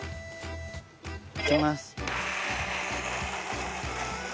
いきます。